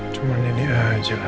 cuman ini aja lah